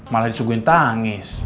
malah disuguin tangis